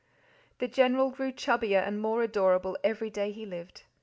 The General grew chubbier and more adorable every day he lived.